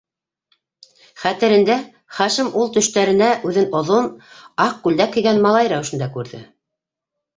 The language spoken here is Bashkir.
Хәтерендә: Хашим ул төштәрендә үҙен оҙон аҡ күлдәк кейгән малай рәүешендә күрҙе.